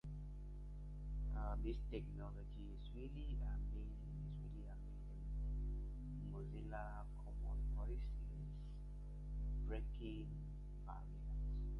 The Leir family themselves have provided a number of rectors to the parish.